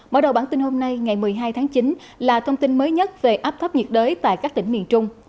mở đầu bản tin hôm nay ngày một mươi hai tháng chín là thông tin mới nhất về áp thấp nhiệt đới tại các tỉnh miền trung